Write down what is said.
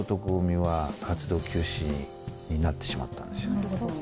なるほど。